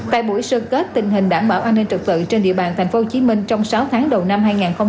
tại buổi sơ kết tình hình đảm bảo an ninh trực tự trên địa bàn tp hcm trong sáu tháng đầu năm hai nghìn hai mươi bốn